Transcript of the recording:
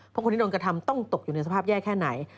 เพราะคนที่โดนกระทำต้องตกอยู่ในสภาพแย่แค่ไหน